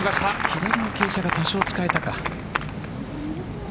左の傾斜が多少、使えたか。